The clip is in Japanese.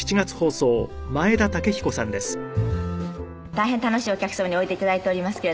大変楽しいお客様においで頂いておりますけれども。